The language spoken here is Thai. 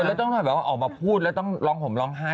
แล้วต้องแบบว่าออกมาพูดแล้วต้องร้องห่มร้องไห้